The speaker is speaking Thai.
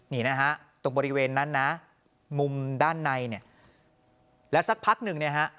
นี่นะฮะตรงบริเวณนั้นนะมุมด้านในเนี่ยแล้วสักพักหนึ่งเนี่ยฮะ